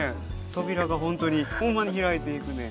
扉がほんとにほんまに開いていくね。